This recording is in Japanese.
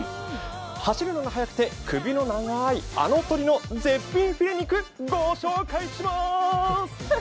走るのが早くて首の長いあの鳥の絶品フィレ肉ご紹介します。